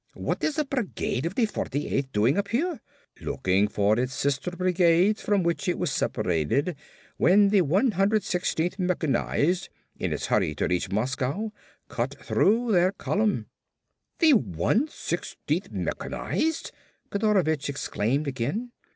"What is a brigade of the 48th doing up here?" "Looking for its sister brigades from which it was separated when the 116th Mechanized, in its hurry to reach Moscow, cut through their column." "The 116th Mechanized?" Kodorovich exclaimed again.